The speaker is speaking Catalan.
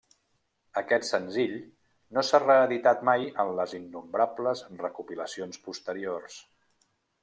Aquest senzill no s'ha reeditat mai en les innombrables recopilacions posteriors.